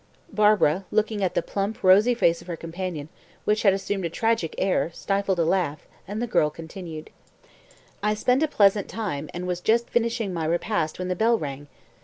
Barbara, looking at the plump, rosy face of her companion, which had assumed a tragic air, stifled a laugh, and the girl continued. "I spent a pleasant time, and was just finishing my repast when the bell rang.